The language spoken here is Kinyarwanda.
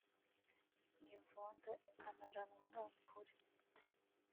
ntivunda ikanaranwa n’ukuri